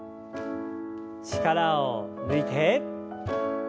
力を抜いて。